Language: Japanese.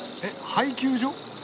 配給所？